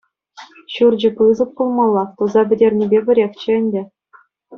Ҫурчӗ пысӑк пулмалла, туса пӗтернӗпе пӗрехчӗ ӗнтӗ.